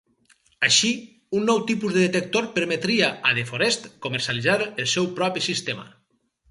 Així un nou tipus de detector permetria a De Forest comercialitzar el seu propi sistema.